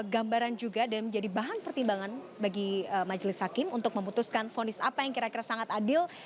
gambaran juga dan menjadi bahan pertimbangan bagi majelis hakim untuk memutuskan fonis apa yang kira kira sangat adil